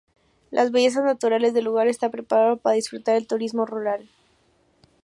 Las bellezas naturales del lugar, está preparado para disfrutar del Turismo rural.